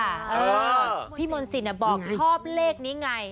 เออพี่มนต์สิทธิ์บอกชอบเลขนี้ไง